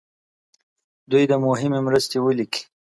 دوی دې مهمې مرستې ولیکي.